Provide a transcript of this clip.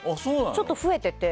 ちょっと増えてて。